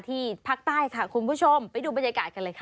ภาคใต้ค่ะคุณผู้ชมไปดูบรรยากาศกันเลยค่ะ